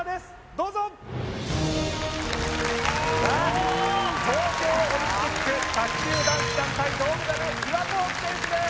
どうぞ東京オリンピック卓球男子団体銅メダル丹羽孝希選手です